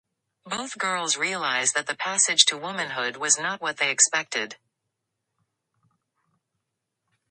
Both girls realize that the passage to womanhood was not what they expected.